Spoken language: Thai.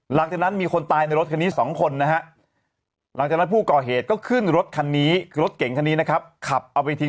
หรืออะไรก็ตามแต่ไม่มีเลยนะครับ